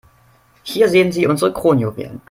Hier sehen Sie unsere Kronjuwelen.